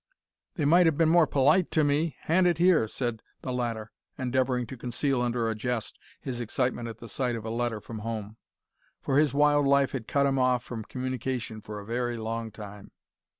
"They might have been more polite to me. Hand it here," said the latter, endeavouring to conceal under a jest his excitement at the sight of a letter from home; for his wild life had cut him off from communication for a very long time.